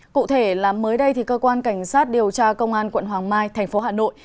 cụ thể mới đây cơ quan cảnh sát điều tra công an quận hoàng mai tp hà nội